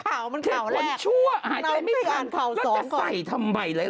ขาวมันขาวแรกเดี๋ยวจะอ่านขาว๒ก่อนแล้วจะใส่ทำไมหลายอัน